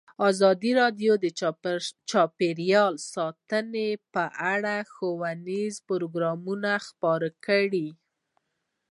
ازادي راډیو د چاپیریال ساتنه په اړه ښوونیز پروګرامونه خپاره کړي.